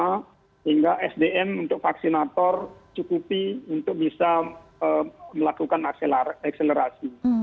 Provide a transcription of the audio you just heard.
sehingga sdm untuk vaksinator cukupi untuk bisa melakukan akselerasi